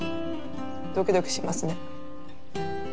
ドキドキしますね。